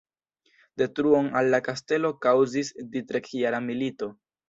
Detruon al la kastelo kaŭzis tridekjara milito.